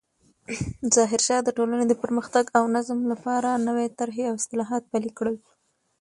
ظاهرشاه د ټولنې د پرمختګ او نظم لپاره نوې طرحې او اصلاحات پلې کړل.